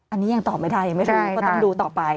อันนี้ยังตอบไม่ได้ยังไม่รู้ก็ต้องดูต่อไป